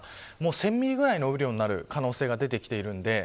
１０００ミリぐらいの雨量になる可能性が出てきています。